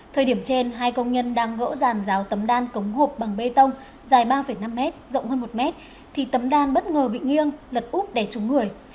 thời điểm trên hai công nhân đang gỡ ràn rào tấm đan cống hộp bằng bê tông dài ba năm m rộng hơn một m thì tấm đan bất ngờ bị nghiêng lật úp để trúng người